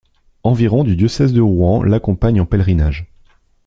Environ du diocèse de Rouen l'accompagnent en pèlerinage.